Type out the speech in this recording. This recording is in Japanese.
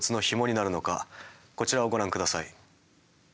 こちらをご覧下さい。